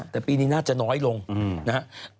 อ๋อแต่ปีนี้น่าจะน้อยลงนะฮะ